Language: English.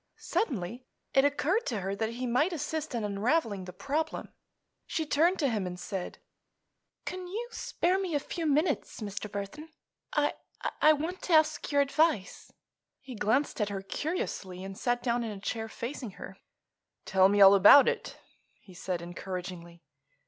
Suddenly it occurred to her that he might assist in unraveling the problem. She turned to him and said: "Can you spare me a few minutes, Mr. Burthon? I—I want to ask your advice." He glanced at her curiously and sat down in a chair facing her. "Tell me all about it," he said encouragingly.